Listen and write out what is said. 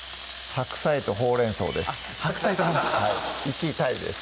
白菜とほうれん草１位タイです